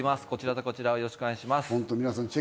こちらとこちらをよろしくお願いします。